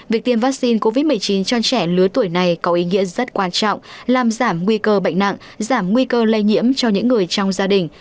việc tiêm vaccine covid một mươi chín cho trẻ lứa tuổi này có ý nghĩa rất quan trọng làm giảm nguy cơ bệnh nặng giảm nguy cơ lây nhiễm cho những người trong gia đình